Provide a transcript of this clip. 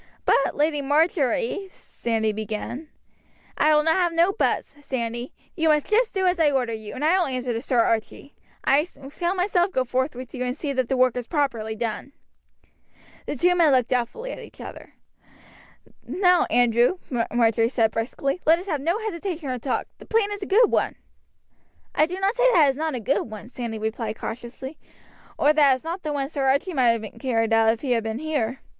"But, Lady Marjory " Sandy began. "I will have no buts, Sandy; you must just do as I order you, and I will answer to Sir Archie. I shall myself go forth with you and see that the work is properly done." The two men looked doubtfully at each other. "Now, Andrew," Marjory said briskly, "let us have no hesitation or talk, the plan is a good one." "I do not say that it is not a good one," Sandy replied cautiously, "or that it is not one that Sir Archie might have carried out if he had been here."